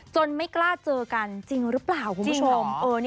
ไม่กล้าเจอกันจริงหรือเปล่าคุณผู้ชม